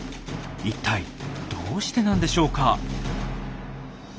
いったいどうしてなんでしょうか？